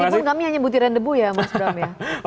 meskipun kami hanya butiran debu ya mas bram ya